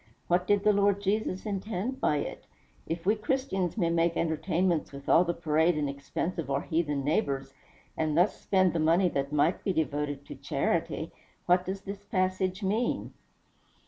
What did the Lord Jesus intend by it? If we Christians may make entertainments with all the parade and expense of our heathen neighbors, and thus spend the money that might be devoted to charity, what does this passage mean?"